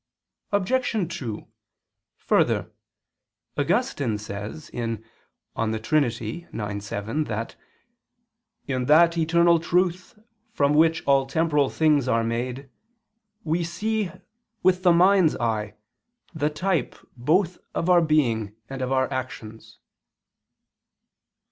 Obj. 2: Further, Augustine says (De Trin. ix, 7) that "in that eternal truth from which all temporal things are made, we see with the mind's eye the type both of our being and of our actions."